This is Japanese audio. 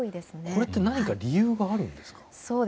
これって何か理由があるんですか。